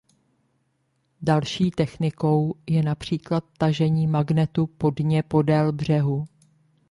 Další technikou je například tažení magnetu po dně podél břehu.